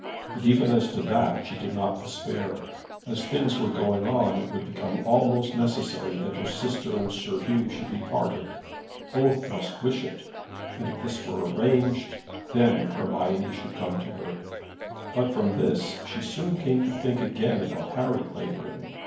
But even as to that she did not despair. As things were going on, it would become almost necessary that her sister and Sir Hugh should be parted. Both must wish it; and if this were arranged, then Hermione should come to her. But from this she soon came to think again about Harry Clavering.